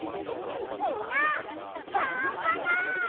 みんながんばろう！